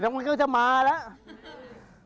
มันก็จะมาแล้ว